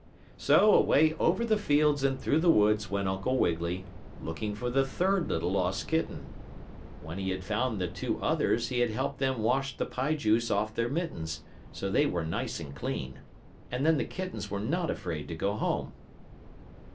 So away over the fields and through the woods went Uncle Wiggily, looking for the third little lost kitten. When he had found the two others he had helped them wash the pie juice off their mittens, so they were nice and clean. And then the kittens were not afraid to go home.